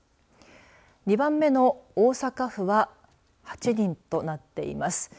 ２番目の大阪府は８人となっています。